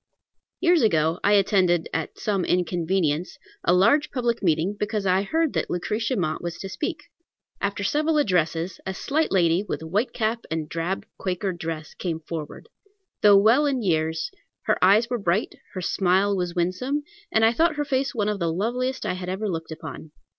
] Years ago I attended, at some inconvenience, a large public meeting, because I heard that Lucretia Mott was to speak. After several addresses, a slight lady, with white cap and drab Quaker dress, came forward. Though well in years, her eyes were bright; her smile was winsome, and I thought her face one of the loveliest I had ever looked upon.